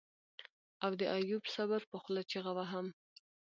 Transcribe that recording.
او د ايوب صابر په خوله چيغه وهم.